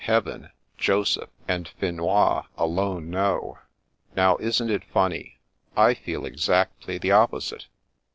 Heaven, Joseph, and Finois alone know." " Now, isn't it funny, I feel exactly the opposite